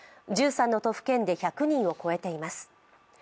１３の都府県で１００人を超えています